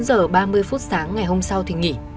đến một mươi sáu h ba mươi phút sáng ngày hôm sau thì nghỉ